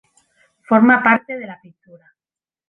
Forma parte de la pintura.